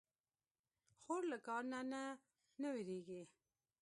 خور له کار نه نه وېرېږي.